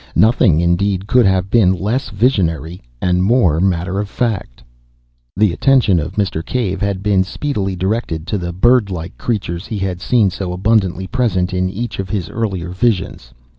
Nothing, indeed, could have been less visionary and more matter of fact. The attention of Mr. Cave had been speedily directed to the bird like creatures he had seen so abundantly present in each of his earlier visions.